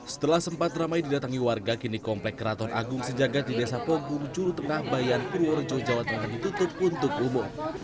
setelah sempat ramai didatangi warga kini komplek keraton agung sejagat di desa pogung juru tengah bayan purworejo jawa tengah ditutup untuk umum